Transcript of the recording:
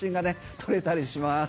撮れたりします。